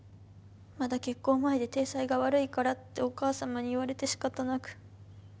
まだ結婚前で体裁が悪いからってお母さまに言われて仕方なく。